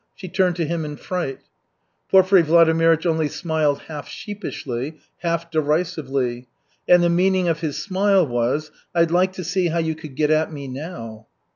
she turned to him in fright. Porfiry Vladimirych only smiled half sheepishly, half derisively, and the meaning of his smile was: "I'd like to see how you could get at me now."